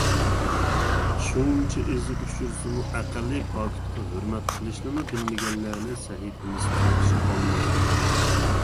شۇنچە ئېزىپ ئىچۈرسىمۇ ئەقەللىي پاكىتقا ھۆرمەت قىلىشنىمۇ بىلمىگەنلەرنى سەھىپىمىز قارشى ئالمايدۇ.